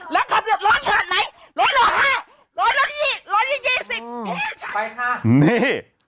แล้วเขาบอกร้อนขนาดไหนร้อนร้อยห้าร้อนร้อยยี่ร้อนร้อยยี่ยี่สิบ